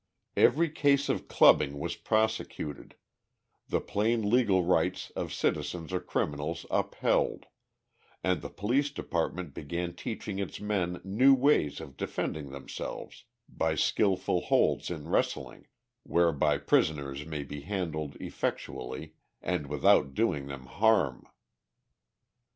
Every case of clubbing was prosecuted, the plain legal rights of citizens or criminals upheld, and the Police Department began teaching its men new ways of defending themselves by skillful holds in wrestling whereby prisoners may be handled effectually and without doing them harm.